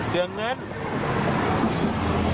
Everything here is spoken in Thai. เรื่องเงิน